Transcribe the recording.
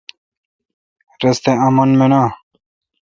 رستہ آمن مینا۔